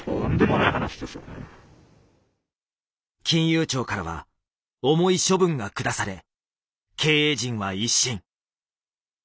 金融庁からは重い処分が下され経営陣は一新。